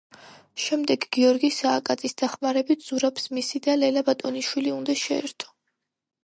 შემდეგ, გიორგი სააკაძის დახმარებით ზურაბს მისი და ლელა ბატონიშვილი უნდა შეერთო.